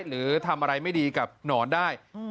หรือทำอะไรไม่ดีกับหนอนได้